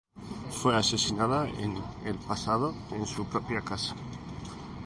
Fue asesinada en el pasado en su propia casa.